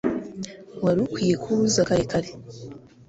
Wari ukwiye kuza kare kare.